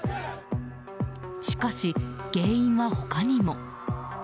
しかし、原因は他にも。